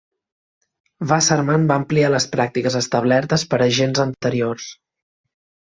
Wasserman va ampliar les pràctiques establertes per agents anteriors.